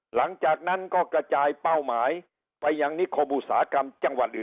หลังจากนั้นก็กระจายเป้าหมายไปยังนิคมอุตสาหกรรมจังหวัดอื่น